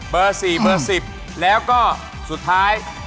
๔เบอร์๑๐แล้วก็สุดท้าย